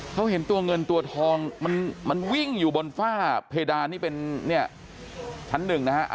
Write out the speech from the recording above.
เขาเห็นตัวเงินตัวทองมันวิ่งอยู่บนฝ้าเพดานนี่เป็นเนี่ยชั้นหนึ่งนะฮะ